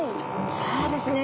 そうですね。